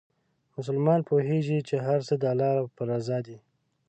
مسلمان پوهېږي چې هر څه د الله په رضا دي.